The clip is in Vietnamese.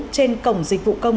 trên cổng dịch vụ công